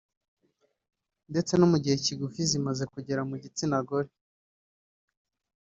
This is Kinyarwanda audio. ndetse no mu gihe kigufi zimaze kugera mu gitsina gore